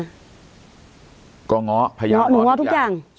หนูก็ง้อพยาบาลทุกอย่าง